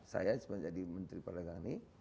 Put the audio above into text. saya semasa menjadi menteri parlihari negeri